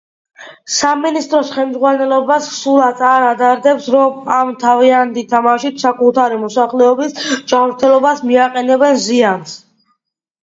სამინისტროს ხელმძღვანელობას სულაც არ ადარდებს, რომ ამ თავიანთი თამაშით საკუთარი მოსახლეობის ჯანმრთელობას მიაყენებენ ზიანს.